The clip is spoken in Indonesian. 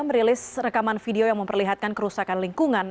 merilis rekaman video yang memperlihatkan kerusakan lingkungan